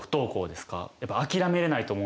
やっぱ諦めれないと思うんですよ。